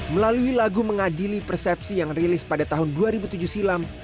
melalui lagu mengadili persepsi yang rilis pada tahun dua ribu tujuh silam